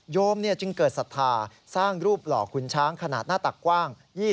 จึงเกิดศรัทธาสร้างรูปหล่อขุนช้างขนาดหน้าตักกว้าง